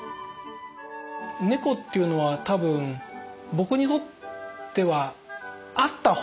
猫っていうのは多分僕にとってはあった方がいいもの。